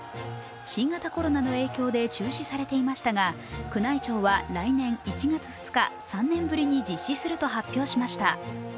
新型コロナの影響で中止されていましたが宮内庁は来年１月２日、３年ぶりに実施すると発表しました。